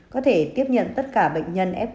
có thể tiếp nhận tất cả bệnh nhân f